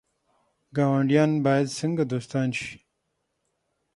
ګاونډیان باید څنګه دوستان شي؟